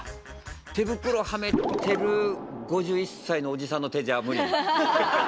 手袋はめてる５１歳のおじさんの手じゃ無理？